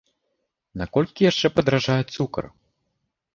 На колькі яшчэ падаражэе цукар?